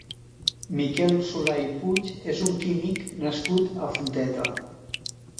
Miquel Solà i Puig és un químic nascut a Fonteta.